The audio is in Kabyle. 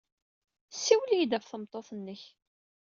Ssiwel-iyi-d ɣef tmeṭṭut-nnek.